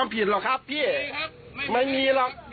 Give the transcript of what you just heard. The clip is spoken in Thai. แถวนี้ตำรวจมี